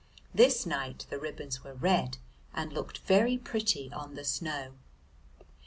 This night the ribbons were red and looked very pretty on the snow.